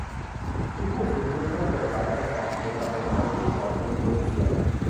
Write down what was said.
มีผู้เสียชีวิตและเจ็บหลายคนจากเหตุระเบิดโจมตีโบสถ์ในอินโดนีเซีย